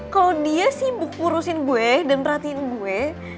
kalau dia sibuk ngurusin gue dan perhatiin gue